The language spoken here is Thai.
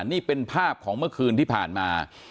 นี่เป็นภาพของเมื่อคืนที่ผ่านมา